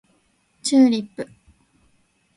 チューリップ